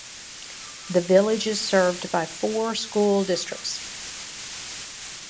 The village is served by four school districts.